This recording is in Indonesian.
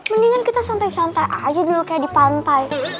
mendingan kita santai santai aja dulu kayak di pantai